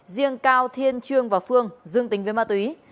riêng cao thiên trương và phương dương tính với ma túy